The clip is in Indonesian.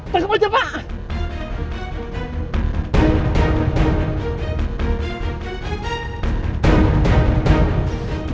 tangkap aja pak